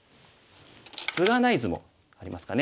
ツガない図もありますかね。